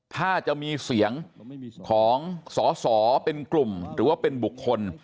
ถ้าจะมีเสียงของสอสอเป็นกลุ่มหรือว่าเป็นบุคคล